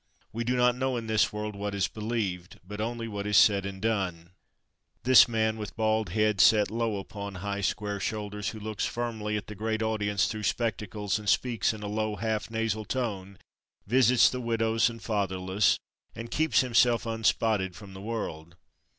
We do not know in this world what is believed, but only what is said and done. [A] Theodore Parker. This man, with bald head set low upon high square shoulders, who looks firmly at the great audience through spectacles, and speaks in a low half nasal tone, visits the widows and fatherless, and keeps himself unspotted from the world.